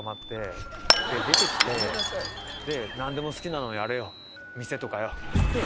「何でも好きなのやれよ店とかよ」っつって。